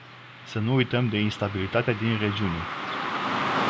Să nu uităm de instabilitatea din regiune.